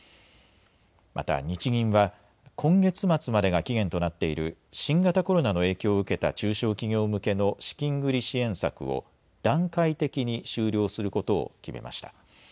また日銀は今月末までが期限となっている新型コロナの影響を受けた中小企業向けの資金繰り支援策を段階的に終了することを決めました。